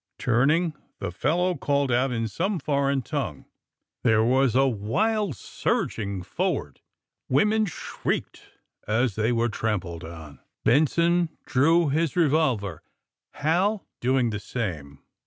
Turning, the fellow called out in some foreign tongue. There was a wild surging forward. Women shrieked as they were trampled on. Benson drew his revolver, Hal doing the same.